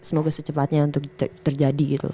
semoga secepatnya untuk terjadi gitu